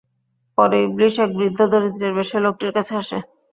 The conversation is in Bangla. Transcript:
পরে ইবলীস এক বৃদ্ধ দরিদ্রের বেশে লোকটির কাছে আসে।